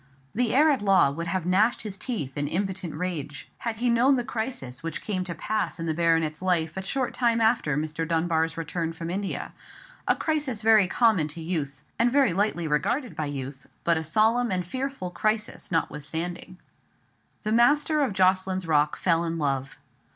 The heir at law would have gnashed his teeth in impotent rage had he known the crisis which came to pass in the baronet's life a short time after Mr. Dunbar's return from India; a crisis very common to youth, and very lightly regarded by youth, but a solemn and a fearful crisis notwithstanding. The master of Jocelyn's Rock fell in love.